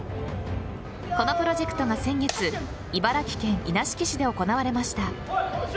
このプロジェクトが先月茨城県稲敷市で行われました。